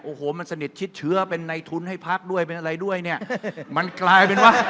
โอ้โหมันสนิทชิดเชื้อเป็นในทุนให้พรรคด้วยเป็นอะไรด้วยเนี่ย